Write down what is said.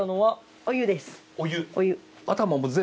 お湯。